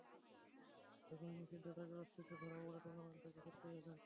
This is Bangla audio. ঠিক তখনই নিষিদ্ধ ড্রাগের অস্তিত্ব ধরা পড়ে টুর্নামেন্ট থেকে ছিটকে গেলেন।